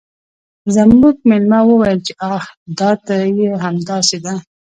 زموږ میلمه وویل چې آه دا ته یې همداسې ده